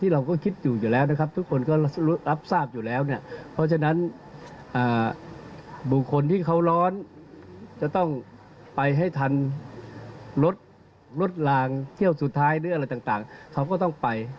ร้ายเรื่องอะไรต่างเขาก็ต้องไป